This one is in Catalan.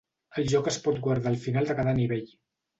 El joc es pot guardar al final de cada nivell.